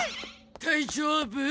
大丈夫？